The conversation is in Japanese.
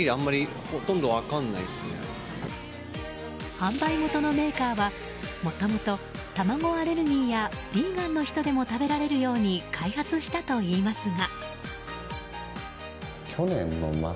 販売元のメーカーは、もともと卵アレルギーやビーガンの人でも食べられるように開発したといいますが。